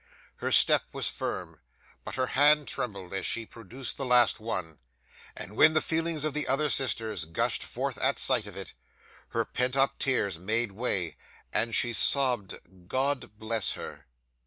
Her step was firm, but her hand trembled as she produced the last one; and, when the feelings of the other sisters gushed forth at sight of it, her pent up tears made way, and she sobbed "God bless her!"